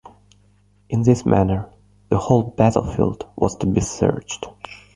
In this manner the whole battlefield was to be searched.